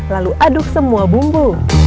lalu aduk semua bumbu